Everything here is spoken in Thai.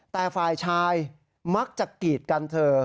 แต่ฝ่ายชายมักจะกีดกันเธอ